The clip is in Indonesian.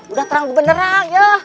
udah terang beneran ya